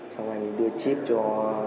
xong anh ấy đưa chip cho